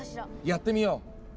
やってみよう。